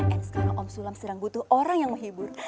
eh sekarang om sulam sedang butuh orang yang menghibur